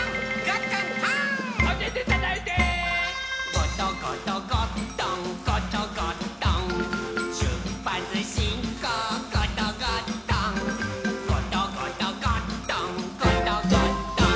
「ゴトゴトゴットンゴトゴットン」「しゅっぱつしんこうゴトゴットン」「ゴトゴトゴットンゴトゴットン」